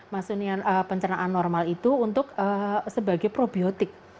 maksudnya pencernaan normal itu untuk sebagai probiotik